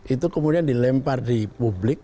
itu kemudian dilempar di publik